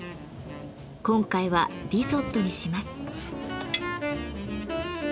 今回はリゾットにします。